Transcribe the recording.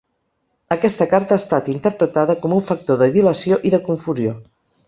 Aquesta carta ha estat interpretada com un factor de dilació i de confusió.